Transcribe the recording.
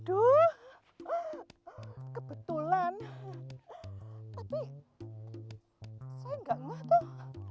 aduh kebetulan tapi saya enggak ngakak